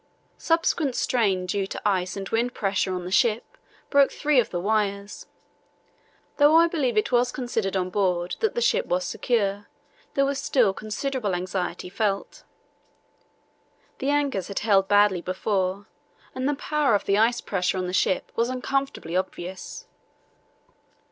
Subsequent strain due to ice and wind pressure on the ship broke three of the wires. Though I believe it was considered on board that the ship was secure, there was still considerable anxiety felt. The anchors had held badly before, and the power of the ice pressure on the ship was uncomfortably obvious.